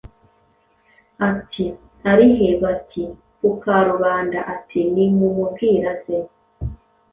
ati Ari he? Bati “Ku karubanda Ati “Nimumubwire aze.”